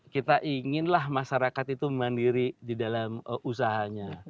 kita inginlah masyarakat itu mandiri di dalam usahanya